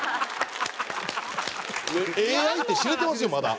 ＡＩって知れてますよまだ。